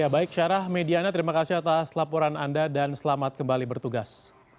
baik syarah mediana terima kasih atas laporan anda dan selamat kembali bertugas